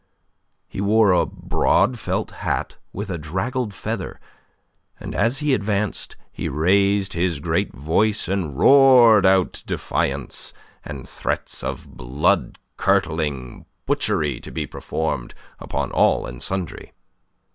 He wore a broad felt hat with a draggled feather, and as he advanced he raised his great voice and roared out defiance, and threats of blood curdling butchery to be performed upon all and sundry.